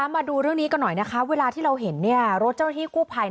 มาดูเรื่องนี้กันหน่อยนะคะเวลาที่เราเห็นรถเจ้าหน้าที่กู้ภัย